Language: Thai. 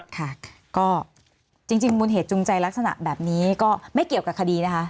ค่ะก็จริงมูลเหตุจูงใจลักษณะแบบนี้ก็ไม่เกี่ยวกับคดีนะคะ